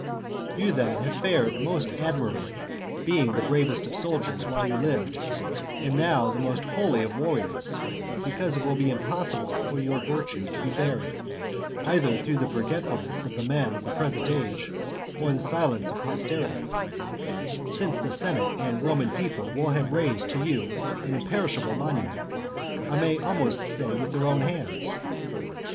You then have fared most admirably, being the bravest of soldiers while you lived, and now the most holy of warriors, because it will be impossible for your virtue to be buried, either through the forgetfulness of the men of the present age, or the silence of posterity, since the senate and Roman people will have raised to you an imperishable monument, I may almost say with their own hands.